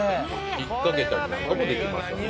引っかけたりなんかもできますので。